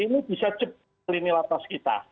ini bisa cepat selimilatas kita